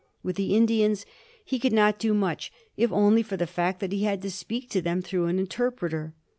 With the Indians he could not do much, if only for the fact that he had to speak to them through an interpreter.